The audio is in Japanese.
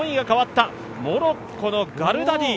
モロッコのガルダディ。